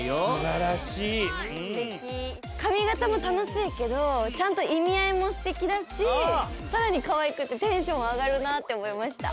かみ型もたのしいけどちゃんといみあいもすてきだしさらにかわいくてテンションあがるなっておもいました。